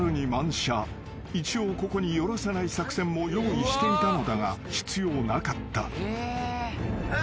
［一応ここに寄らせない作戦も用意していたのだが必要なかった］